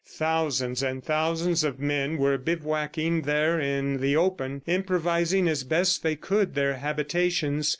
Thousands and thousands of men were bivouacking there in the open, improvising as best they could their habitations.